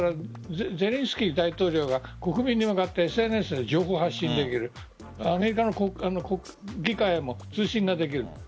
ゼレンスキー大統領が国民に向かってＳＮＳで情報発信できるアメリカの議会へも通信ができる。